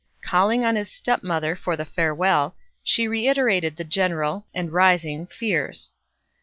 Calling on his stepmother for the farewell, she reiterated the general, and rising, fears.